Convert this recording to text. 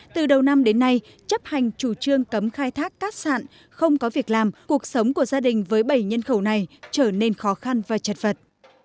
từ đầu năm đến nay chấp hành chủ trương cấm khai thác cát sản không có việc làm cuộc sống của gia đình với bảy nhân khẩu này trở nên khó khăn và chật vật